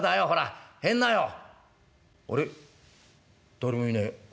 誰もいねえ。